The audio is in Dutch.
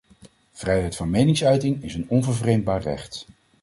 Vrijheid van meningsuiting is een onvervreemdbaar recht.